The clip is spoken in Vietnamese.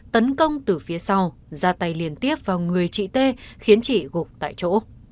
tấn công từ phía sau ra tay liên tiếp vào người chị t khiến chị gục tại chỗ